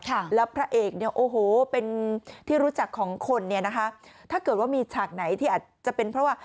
แล้วพระเอกเป็นที่รู้จักของคนถ้าเกิดว่ามีฉากไหนที่อาจจะเป็นเพราะว่า